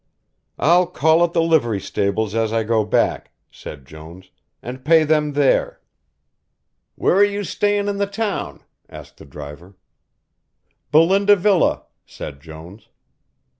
"I'll call at the livery stables as I go back," said Jones, "and pay them there." "Where are you stayin' in the town?" asked the driver. "Belinda Villa," said Jones.